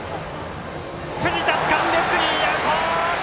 藤田つかんでスリーアウト！